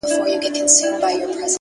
• دغه خوار ملنگ څو ځايه تندی داغ کړ،